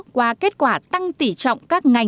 qua kết quả tăng tỷ trọng